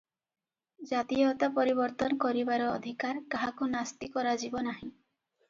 ଜାତୀୟତା ପରିବର୍ତ୍ତନ କରିବାର ଅଧିକାର କାହାକୁ ନାସ୍ତି କରାଯିବ ନାହିଁ ।